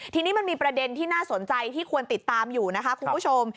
ทีนี้มันมีประเด็นที่น่าสนใจที่ควรติดตามอยู่นะคะคุณผู้ชม